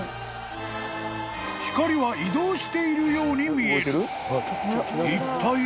［光は移動しているように見える］